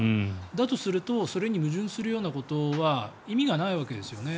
だとするとそれに矛盾するようなことは意味がないわけですよね。